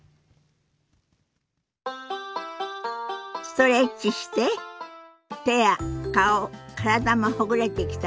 ストレッチして手や顔体もほぐれてきたかしら？